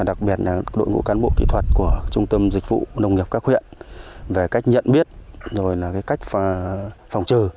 đặc biệt là đội ngũ cán bộ kỹ thuật của trung tâm dịch vụ nông nghiệp các huyện về cách nhận biết rồi là cách phòng trừ